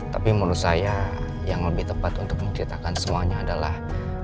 tapi menurut saya yang lebih tepat untuk menceritakan semuanya adalah